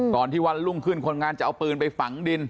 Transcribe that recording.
ที่วันรุ่งขึ้นคนงานจะเอาปืนไปฝังดิน